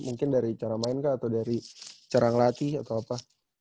mungkin dari cara main kah atau dari cara ngelatih atau apa